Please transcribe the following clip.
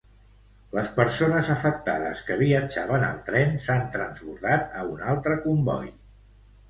Les persones afectades que viatjaven al tren s'han transbordat a un altre comboi.